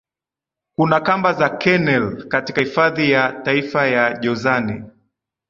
Kuna kamba za Kennel katika Hifadhi ya Taifa ya Jozani